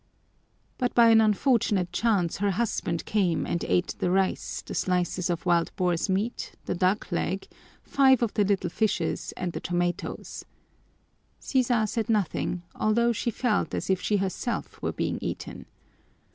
But by an unfortunate chance her husband came and ate the rice, the slices of wild boar's meat, the duck leg, five of the little fishes, and the tomatoes. Sisa said nothing, although she felt as if she herself were being eaten.